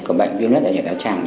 của bệnh viêm lết dạ dày thái tràng